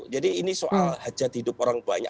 jadi ini soal hajat hidup orang banyak